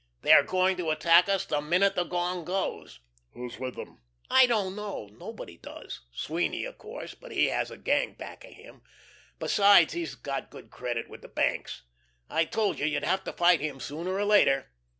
They are going to attack us the minute the gong goes." "Who's with them?" "I don't know; nobody does. Sweeny, of course. But he has a gang back of him besides, he's got good credit with the banks. I told you you'd have to fight him sooner or later."